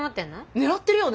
狙ってるよね